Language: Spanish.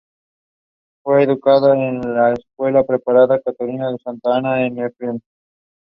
Fue educada en la escuela preparatoria católica de Santa Ana, en Enfield.